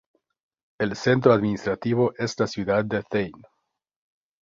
El centro administrativo es la ciudad de Thane.